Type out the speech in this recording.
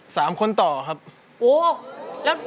เพลงที่๑มูลค่า๑๐๐๐๐บาท